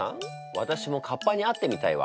私もかっぱに会ってみたいわ。